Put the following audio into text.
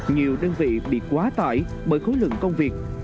nhiều đơn vị bị quá tải bởi khối lượng công việc